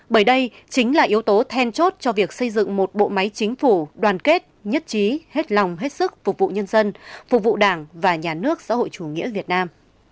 bởi đây chính là yếu tố then chốt cho việc xây dựng một bộ máy chính phủ đoàn kết nhất trí hết lòng hết sức phục vụ nhân dân phục vụ đảng và nhà nước xã hội chủ nghĩa việt nam